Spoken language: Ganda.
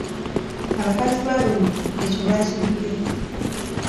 Abakazi ba luno ekyo baakidibya.